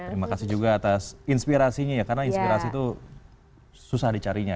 terima kasih juga atas inspirasinya ya karena inspirasi itu susah dicarinya